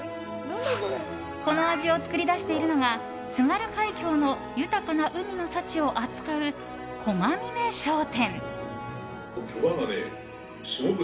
この味を作り出しているのが津軽海峡の豊かな海の幸を扱う駒嶺商店。